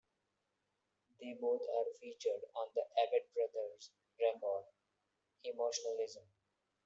They are both featured on The Avett Brothers record "Emotionalism".